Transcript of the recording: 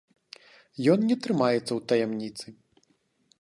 Ён не трымаецца ў таямніцы.